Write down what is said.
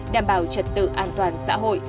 đảm bảo trật tự an toàn xã hội